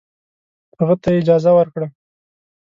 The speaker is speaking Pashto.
هغه ته یې اجازه ورکړه.